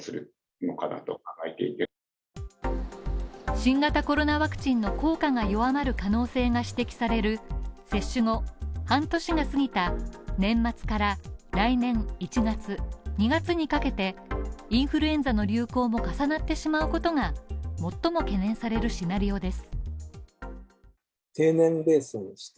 新型コロナワクチンの効果が弱まる可能性が指摘される接種後半年が過ぎた年末から来年１月２月にかけてインフルエンザの流行も重なってしまうことが最も懸念されるシナリオです。